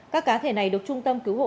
các cá thể này được trung tâm cứu hộ